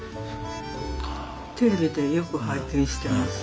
テレビでよく拝見してます。